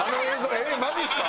えっマジっすか？